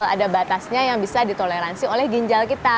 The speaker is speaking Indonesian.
ada batasnya yang bisa ditoleransi oleh ginjal kita